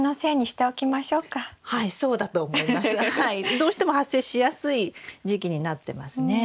どうしても発生しやすい時期になってますね。